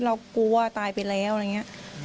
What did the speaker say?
เรากลัวตายไปแล้วอะไรอย่างนี้